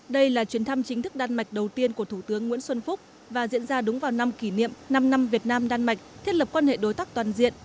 đây là chuyến thăm chính thức đan mạch đầu tiên của thủ tướng nguyễn xuân phúc và diễn ra đúng vào năm kỷ niệm năm năm việt nam đan mạch thiết lập quan hệ đối tác toàn diện